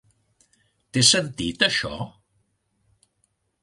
Té sentit, això?